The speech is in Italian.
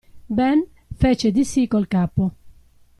Ben fece di sì col capo.